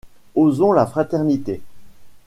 Osons la fraternité !